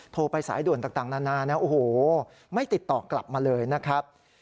โทรไปสายด่วนต่างนานานะโอ้โหไม่ติดต่อกลับมาเลยนะครับ